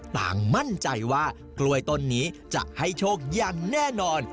ต่างมั่นใจว่ากล้วยต้นนี้จะให้โชคอย่างแน่นอน